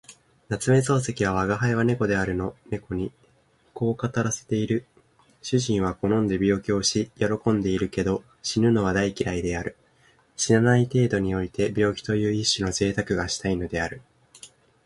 夏目漱石は吾輩は猫であるの猫にこう語らせている。主人は好んで病気をし喜んでいるけど、死ぬのは大嫌いである。死なない程度において病気という一種の贅沢がしたいのである。